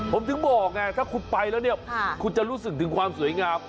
ผมถึงบอกไงถ้าคุณไปแล้วเนี่ยคุณจะรู้สึกถึงความสวยงาม